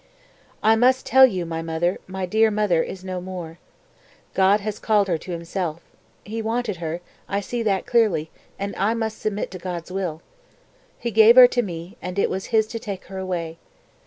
248. "I must tell you my mother, my dear mother, is no more. God has called her to Himself; He wanted her, I see that clearly, and I must submit to God's will. He gave her to me, and it was His to take her away.